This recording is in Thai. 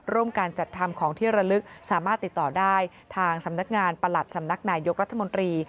ร่วมการจัดทำของที่ระลึกสามารถติดต่อได้ทางสำนักงานประหลัดสำนักนายยกรัฐมนตรี